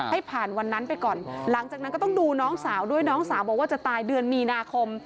ให้ผ่านวันนั้นไปก่อนหลังจากนั้นก็ต้องดูน้องสาวด้วยน้องสาวบอกว่าจะตายเดือนมีนาคม